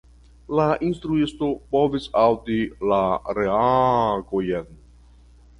La "instruisto" povis aŭdi la reagojn.